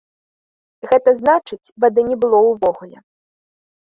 Гэта значыць вады не было ўвогуле.